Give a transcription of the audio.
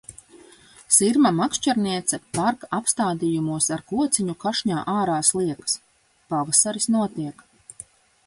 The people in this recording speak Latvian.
Sirma makšķerniece parka apstādījumos ar kociņu kašņā ārā sliekas. Pavasaris notiek.